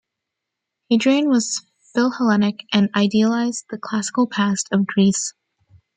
Hadrian was philhellenic, and idealized the Classical past of Greece.